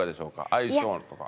相性とか。